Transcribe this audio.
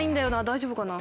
大丈夫かな？